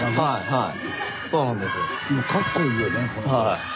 はい。